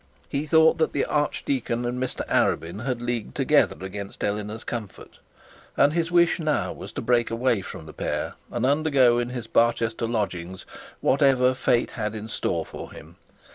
He thought the archdeacon and Mr Arabin had leagued together against Eleanor's comfort; and his wish now was to break away from the pair, and undergo in his Barchester lodgings whatever Fate had in store for him.